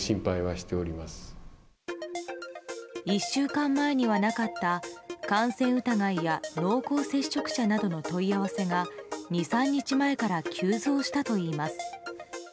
１週間前にはなかった感染疑いや濃厚接触者などの問い合わせが２３日前から急増したといいます。